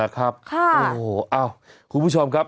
คุณผู้ชมครับ